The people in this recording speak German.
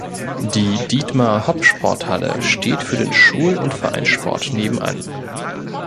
Die Dietmar-Hopp-Sporthalle steht für den Schul- und Vereinssport nebenan.